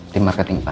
tim marketing pak